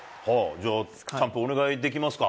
じゃあ、チャンプ、お願いできますか。